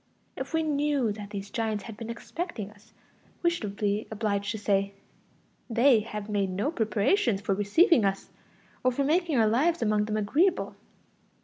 If we knew that these giants had been expecting us, we should be obliged to say: they have made no preparations for receiving us, or for making our lives among them agreeable.